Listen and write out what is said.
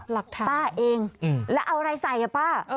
หลักฐานป้าเองแล้วเอาอะไรใส่ป้า